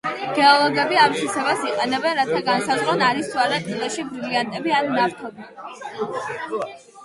გეოლოგები ამ თვისებას იყენებნ რათა განსაზღვრონ არის თუ არა კლდეში ბრილიანტები ან ნავთობი.